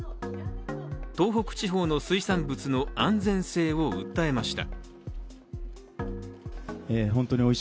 東北地方の水産物の安全性を訴えました。